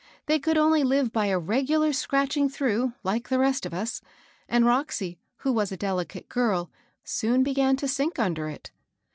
They could only live by a regular scratch ing through, like the rest of us, and Roxy, who was a delicate girl, soon began to sink under it.